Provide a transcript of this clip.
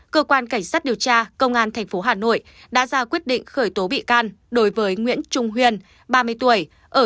cơ quan cảnh sát điều tra công an tp hà nội đã ra quyết định khởi tố bị can đối với nguyễn trung huyền ba mươi tuổi